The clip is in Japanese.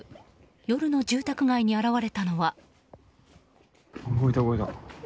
夜の住宅街に現れたのは。